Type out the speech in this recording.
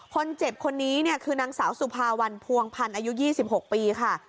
คนเจ็บคนนี้เนี่ยคือนางสาวสุภาวันพวงพันธ์อายุ๒๖ปีค่ะ